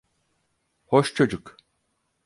Hoş çocuk.